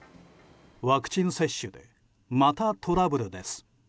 ワクチン接種でまたトラブルです。